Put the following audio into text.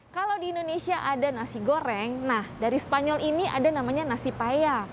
kalau di indonesia ada nasi goreng nah dari spanyol ini ada namanya nasi paya